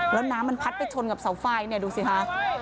แล้วน้ำมันพัดไปชนกับเสาไฟเนี่ยดูสิคะ